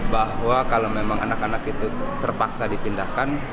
bahwa kalau memang anak anak itu terpaksa dipindahkan